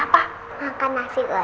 pak nick itu